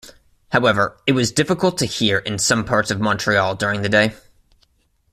However, it was difficult to hear in some parts of Montreal during the day.